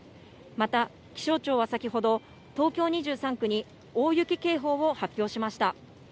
また、気象庁は先ほど、東京２３区に大雪警報を発表しました。